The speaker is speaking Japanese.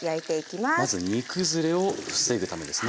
まず煮崩れを防ぐためですね。